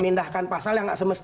memindahkan pasal yang nggak semenit